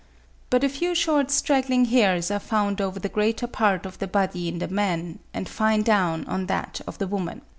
But a few short straggling hairs are found over the greater part of the body in the man, and fine down on that of the woman.